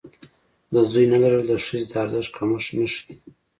د زوی نه لرل د ښځې د ارزښت کمښت نه ښيي.